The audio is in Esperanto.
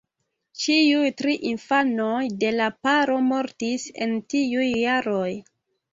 Ĉiuj tri infanoj de la paro mortis en tiuj jaroj.